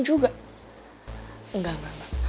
enggak enggak enggak